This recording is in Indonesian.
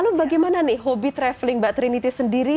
lalu bagaimana nih hobi traveling mbak trinity sendiri